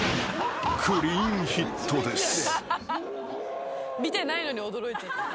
クリーンヒットです］